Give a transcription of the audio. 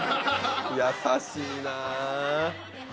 優しいな。